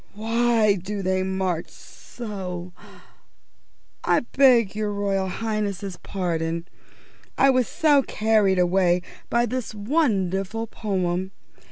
"_Why do they march so _ I beg your Royal Highness's pardon. I was so carried away by this wonderful poem.